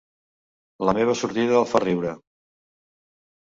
La meva sortida el fa riure.